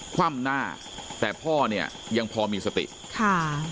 คว่ำหน้าแต่พ่อเนี่ยยังพอมีสติค่ะ